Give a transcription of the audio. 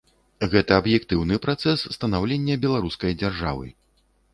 Гэта аб'ектыўны працэс станаўлення беларускай дзяржавы.